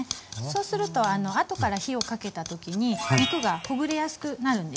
そうすると後から火をかけた時に肉がほぐれやすくなるんです。